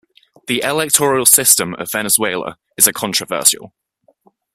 The electoral system of Venezuela is a controversial.